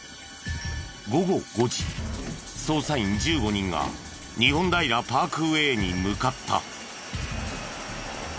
捜査員１５人が日本平パークウェイに向かった。